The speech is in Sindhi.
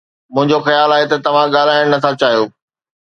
منهنجو خيال آهي ته توهان ڳالهائڻ نٿا چاهيو